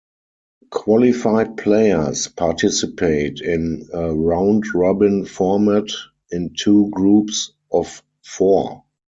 Qualified players participate in a round-robin format in two groups of four.